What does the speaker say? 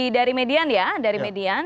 dari median ya dari median